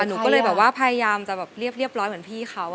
ฉันก็แบบว่าพยายามลีบร้อยเหมือนพี่เขา